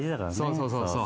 そうそうそうそう。